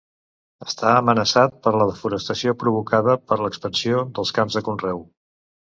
Està amenaçat per la desforestació provocada per l'expansió dels camps de conreu.